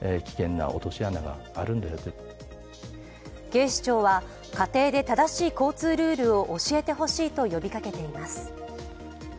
警視庁は、家庭で正しい交通ルールを教えてほしいと呼びかけています。